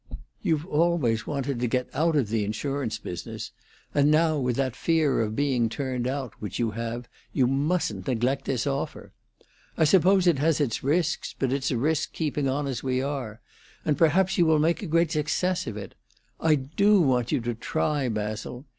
"You've always wanted to get out of the insurance business, and now with that fear of being turned out which you have you mustn't neglect this offer. I suppose it has its risks, but it's a risk keeping on as we are; and perhaps you will make a great success of it. I do want you to try, Basil.